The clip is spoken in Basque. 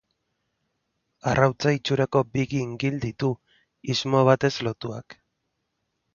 Arrautza itxurako bi gingil ditu, istmo batez lotuak.